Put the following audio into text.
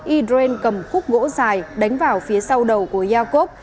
idren cầm khúc gỗ dài đánh vào phía sau đầu của jacob